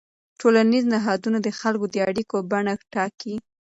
ټولنیز نهادونه د خلکو د اړیکو بڼه ټاکي.